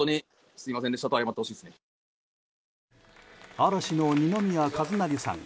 嵐の二宮和也さん。